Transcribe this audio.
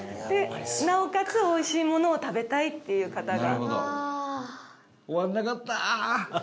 なおかつ、おいしいものを食べたいっていう方が。